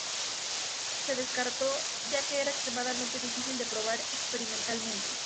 Se descartó, ya que era extremadamente difícil de probar experimentalmente.